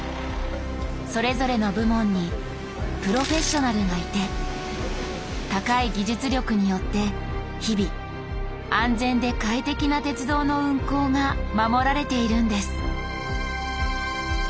それぞれの部門にプロフェッショナルがいて高い技術力によって日々安全で快適な鉄道の運行が守られているんです。